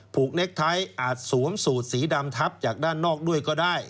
เน็กไททอาจสวมสูตรสีดำทับจากด้านนอกด้วยก็ได้